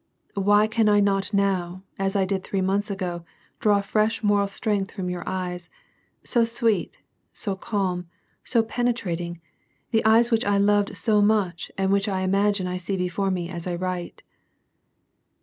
Why can I not now, as I did three months ago, draw fresh moral strength from your eyes, so sweet, so calm, so penetrating, the eyes which I loved so much and which I imagine I see before me as I write."